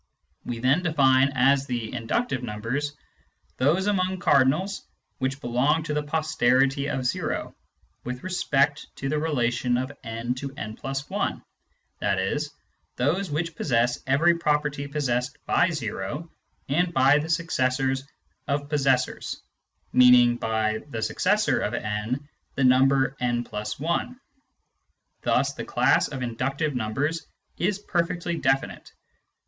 We then define as the " inductive numbers " those among cardinals which belong to the posterity of o with respect to the relation of n to w+i, i.e. those which possess every property possessed by o and by the successors of possessors, meaning by the "successor" of « the number w+i. Thus the class of " inductive numbers " is perfectly definite.